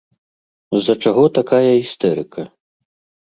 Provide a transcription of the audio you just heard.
З-за чаго такая істэрыка?